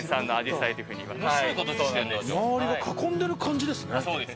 周りで囲んでいる感じですね。